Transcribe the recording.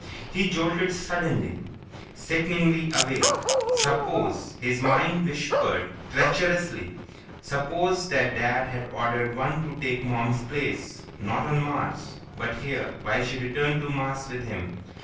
He jolted suddenly, sickeningly awake. Suppose, his mind whispered treacherously, suppose that Dad had ordered one to take Mom's place ... not on Mars, but here while she returned to Mars with him.